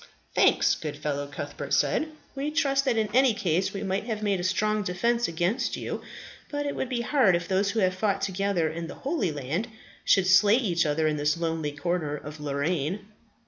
"Thanks, good fellow," Cuthbert said. "We trust that in any case we might have made a strong defence against you; but it would be hard if those who have fought together in the Holy Land, should slay each other in this lonely corner of Lorraine."